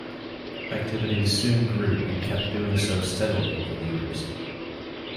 Activities soon grew and kept doing so steadily over the years.